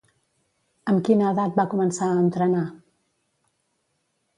Amb quina edat va començar a entrenar?